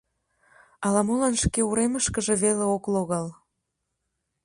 Ала-молан шке уремышкыже веле ок логал.